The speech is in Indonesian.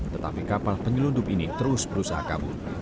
tetapi kapal penyelundup ini terus berusaha kabur